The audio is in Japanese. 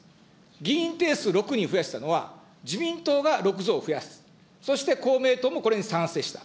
議員定数６人増やしたのは、自民党が６増、増やす、そして公明党もこれに賛成した。